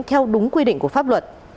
theo đúng quy định của pháp luật